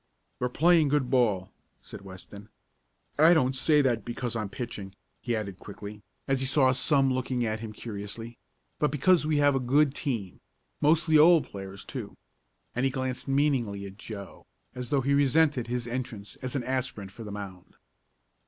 "We're playing good ball," said Weston. "I don't say that because I'm pitching," he added quickly, as he saw some looking at him curiously, "but because we have got a good team mostly old players, too," and he glanced meaningly at Joe, as though he resented his entrance as an aspirant for the mound.